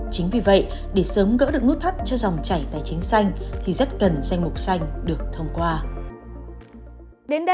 chính vì vậy để sớm gỡ được nút thắt cho dòng chảy tài chính xanh thì rất cần danh mục xanh được thông qua